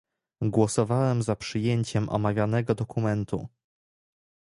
Głosowałem za przyjęciem omawianego dokumentu